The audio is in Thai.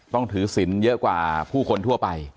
ต้องถือศิลป์เยอะกว่าผู้คนทั่วไป